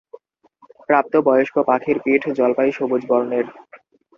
প্রাপ্ত বয়স্ক পাখির পিঠ জলপাই-সবুজ বর্ণের।